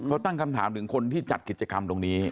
เขาตั้งคำถามถึงคนที่จัดกิจกรรมตรงนี้